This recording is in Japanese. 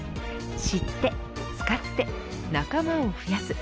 知って使って仲間を増やす